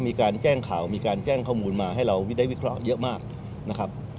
มีการแจ้งข่าวมีการแจ้งข้อมูลมาให้เราได้วิเคราะห์เยอะมากนะครับ